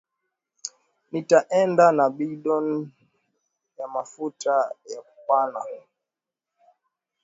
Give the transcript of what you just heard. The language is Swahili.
Nita enda na bidon ya mafuta ya kupana